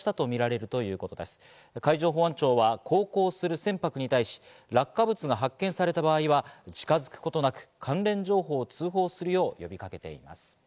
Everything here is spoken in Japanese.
海上保安庁は航行する船舶に対し、落下物が発見された場合は近づくことなく関連情報を通報するよう呼びかけています。